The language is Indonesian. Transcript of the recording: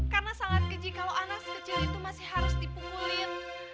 karena sangat keji kalau anak kecil itu masih harus dipukulin